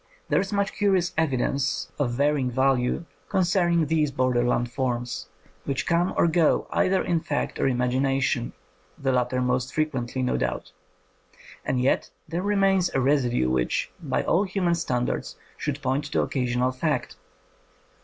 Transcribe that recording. There is much curious evidence of vary 125 THE COMING OF THE FAIRIES ing value concerning these borderland forms, which come or go either in fact or imagination — the latter most frequently, no doubt. And yet there remains a residue which, by all human standards, should j)oint to occasional fact.